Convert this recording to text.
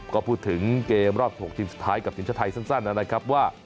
ก็พูดถึงเกมรอบ๖ทีมสุดท้ายกับทีมชาติไทยสั้นนะครับว่า